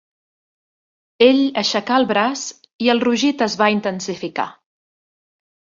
Ell aixecà el braç i el rugit es va intensificar.